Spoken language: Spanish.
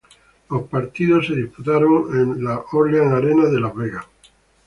Los partidos se disputaron en el Orleans Arena en Las Vegas.